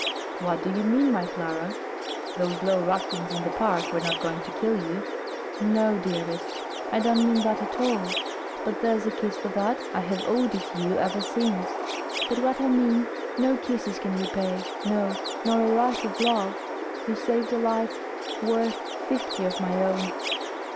"What do you mean, my Clara? Those low ruffians in the Park were not going to kill you." "No, dearest; I don't mean that at all. But there's a kiss for that, I have owed it you ever since. But what I mean no kisses can repay; no, nor a life of love. You saved a life worth fifty of my own."